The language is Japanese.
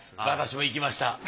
私も行きました。